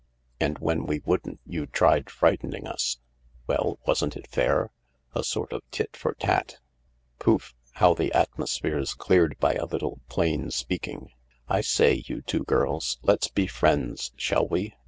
" And when we wouldn't you tried frightening us ?"" Well, wasn't it fair ? A sort of tit for tat ? Pouf 1 how the atmosphere's cleared by a little plain speaking I I say, you two girls — let's be friends, shall we